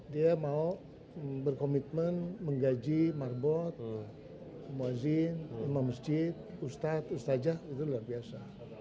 dia mau berkomitmen menggaji marbot muazzin imam masjid ustadz ustadzah itu luar biasa